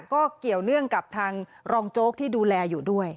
ก็เกี่ยวเนื่องกับทางรองโจ๊กที่ดูแลอยู่ด้วย